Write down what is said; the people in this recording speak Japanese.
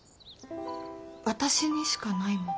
私にしかないもの？